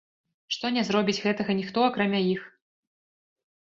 Што не зробіць гэтага ніхто, акрамя іх?